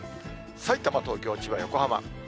さいたま、東京、千葉、横浜。